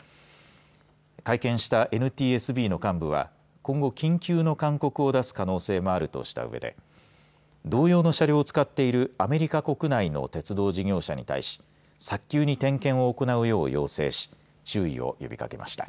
会見したＮＴＳＢの幹部は今後、緊急の勧告を出す可能性もあるとしたうえで同様の車両を使っているアメリカ国内の鉄道事業者に対し早急に点検を行うよう要請し注意を呼びかけました。